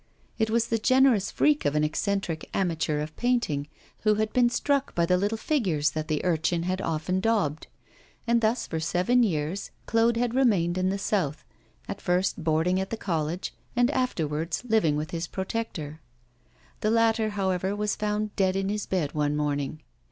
It was the generous freak of an eccentric amateur of painting, who had been struck by the little figures that the urchin had often daubed. And thus for seven years Claude had remained in the South, at first boarding at the college, and afterwards living with his protector. The latter, however, was found dead in his bed one morning.